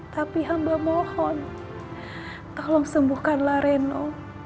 tapi hamba mohon tolong sembuhkanlah reno